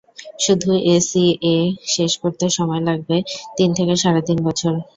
শুধু এসিসিএ শেষ করতে সময় লাগবে তিন থেকে সাড়ে তিন বছর।